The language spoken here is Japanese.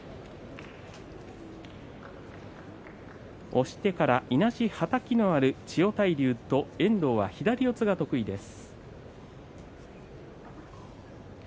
押してから、いなし、はたきがある千代大龍と遠藤は左四つが得意です。